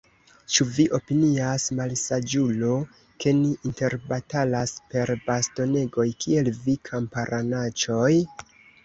Ĉu vi opinias, malsaĝulo, ke ni interbatalas per bastonegoj, kiel vi, kamparanaĉoj?